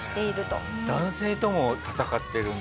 男性とも戦ってるんだ？